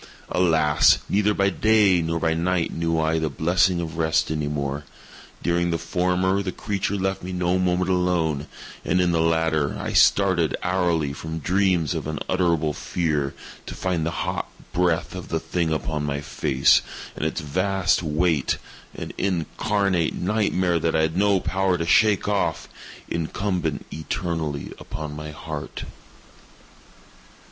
Alas! neither by day nor by night knew I the blessing of rest any more! During the former the creature left me no moment alone, and in the latter I started hourly from dreams of unutterable fear to find the hot breath of the thing upon my face, and its vast weight—an incarnate nightmare that I had no power to shake off—incumbent eternally upon my _heart!